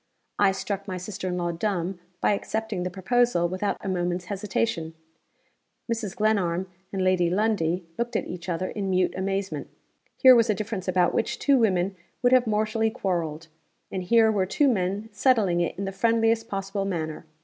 I struck my sister in law dumb by accepting the proposal without a moment's hesitation. Mrs. Glenarm and Lady Lundie looked at each other in mute amazement. Here was a difference about which two women would have mortally quarreled; and here were two men settling it in the friendliest possible manner.